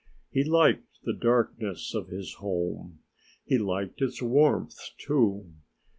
He liked the darkness of his home; he liked its warmth, too.